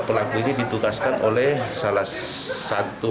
pelaku ini ditugaskan oleh salah satu